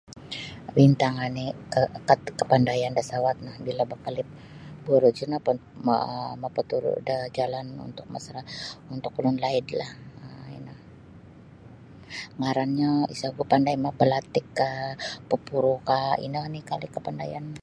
Bintang oni' ke kap kapandayan da sawat no bila bakelip buruj no pun mo mapaturu' da jalan untuk masara untuk ulun laidlah um ino. Ngarannyo isa ogu pandai ma belatikkah popuru'kah ino oni' kali' kapandayan.